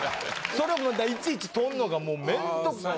それをまたいちいち取んのがもう面倒くさい。